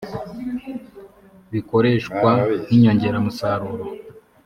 bikoreshwa nk inyongeramusaruro